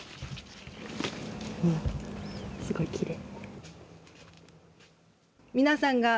すごい、きれい。